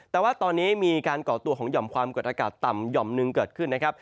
แต่ว่าตอนนี้มีการก่อตัวของหย่อมความกดอากาศต่ำหย่อมหนึ่งเกิดขึ้นนะครับ